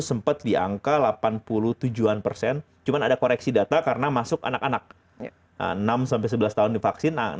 sempat di angka delapan puluh tujuh an persen cuma ada koreksi data karena masuk anak anak enam sebelas tahun divaksin